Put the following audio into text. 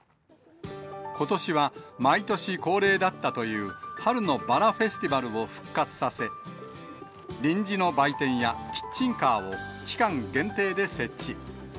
ことしは、毎年恒例だったという、春のバラフェスティバルを復活させ、臨時の売店やキッチンカーを、期間限定で設置。